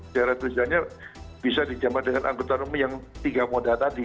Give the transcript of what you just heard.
jarak tujuhannya bisa dijaman dengan angkutan umum yang tiga moda tadi